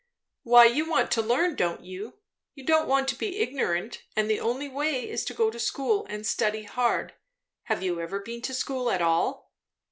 "Why you want to learn, don't you? You don't want to be ignorant; and the only way is to go to school and study hard. Have you ever been to school at all?"